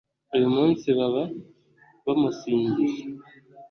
uyu munsi baba bamusingiza